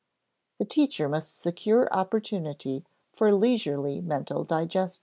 The teacher must secure opportunity for leisurely mental digestion.